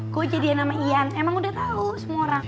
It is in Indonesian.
gue jadian sama ian emang udah tau semua orang